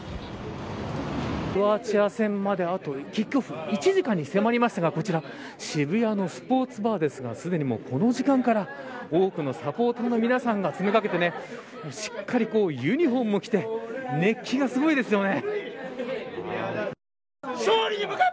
クロアチア戦まで、あとキックオフ１時間に迫りましたがこちら渋谷のスポーツバーですがすでに、この時間から多くのサポーターの皆さんが詰め掛けてしっかりユニホームを着て熱気がすごいですよね。